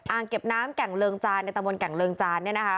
เก็บน้ำแก่งเริงจานในตะบนแก่งเริงจานเนี่ยนะคะ